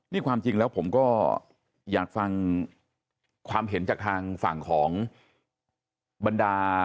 นี่ความจริงแล้วผมก็อยากฟังความเห็นจากทางฝั่งของบรรดา